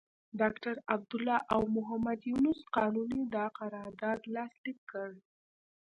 ډاکټر عبدالله او محمد یونس قانوني دا قرارداد لاسليک کړ.